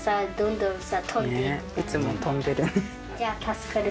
いつも飛んでるね。